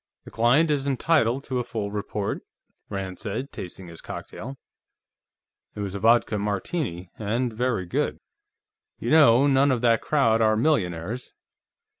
"The client is entitled to a full report," Rand said, tasting his cocktail. It was a vodka Martini, and very good. "You know, none of that crowd are millionaires.